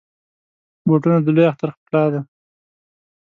بوټونه د لوی اختر ښکلا ده.